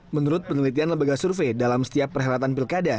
menurut penelitian lembaga survei dalam setiap perhelatan pilkada